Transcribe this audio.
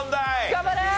頑張れ！